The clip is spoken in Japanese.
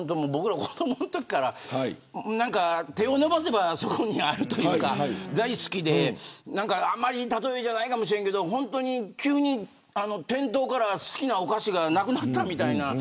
子どものときから手を伸ばせばそこにあるというか大好きで、あんまりいい例えじゃないかもしれないけど急に店頭から好きなお菓子がなくなったみたいな